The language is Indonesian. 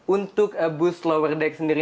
untuk bus lower deck sendiri